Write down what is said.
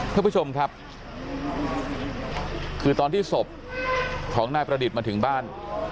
ท่านผู้ชมครับคือตอนที่ศพของนายประดิษฐ์มาถึงบ้าน